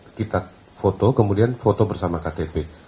foto dan ktp yang kita foto kemudian foto bersama ktp